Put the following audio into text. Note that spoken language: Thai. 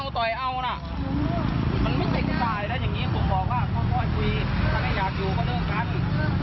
ต่อยเอานแหละจะเจกตายแล้วอย่างงี้